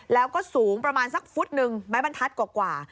แล้วก็สูงประมาณสักฟุตหนึ่งไม้บรรทัศน์กว่า